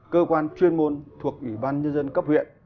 cơ quan chuyên môn thuộc ủy ban nhân dân cấp huyện